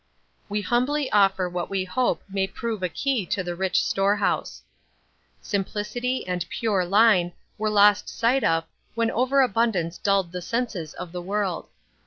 We humbly offer what we hope may prove a key to the rich storehouse. Simplicity, and pure line, were lost sight of when overabundance dulled the senses of the world.